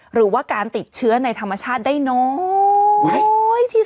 หรือว่าการติดเชื้อในธรรมชาติได้น้อยที่สุด